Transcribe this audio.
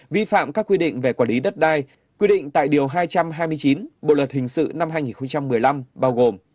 vi phạm các quy định về quản lý đất đai quy định tại điều hai trăm hai mươi chín bộ luật hình sự năm hai nghìn một mươi năm bao gồm